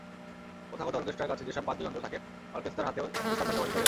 প্রথাগত অর্কেস্ট্রার কাছে যেসব বাদ্যযন্ত্র থাকে, অরকেস্তার হাতেও সেসব যন্ত্রপাতি চলে এল।